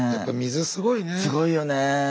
すごいよね。